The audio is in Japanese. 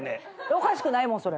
おかしくないもんそれ。